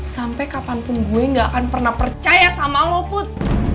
sampai kapanpun gue gak akan pernah percaya sama lopud